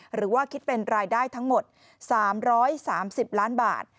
หรือว่าคิดเป็นรายได้ทั้งหมด๓๓๐ล้านบาท